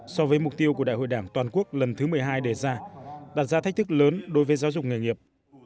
so với mục tiêu của đại hội đảng toàn quốc lần thứ một mươi hai đề ra đặt ra thách thức lớn đối với giáo dục nghề nghiệp